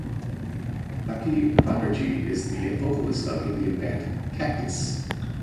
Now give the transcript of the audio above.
Saqi Banerjee is the vocalist of Indian band Cactus.